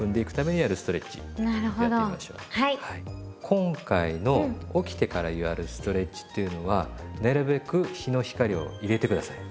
今回の起きてからやるストレッチっていうのはなるべく日の光を入れて下さい。